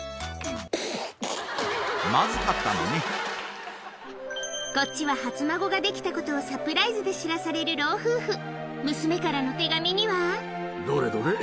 まずかったのねこっちは初孫ができたことをサプライズで知らされる老夫婦娘からの手紙にはどれどれ？